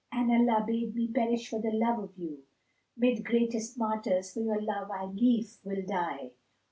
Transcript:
An Allah bade me perish for the love of you, * Mid greatest martyrs for your love I lief will die.